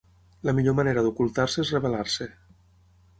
La millor manera d'ocultar-se és revelar-se.